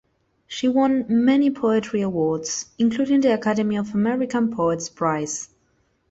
She won many poetry awards, including the Academy of American Poets Prize.